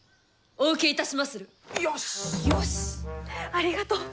ありがとう！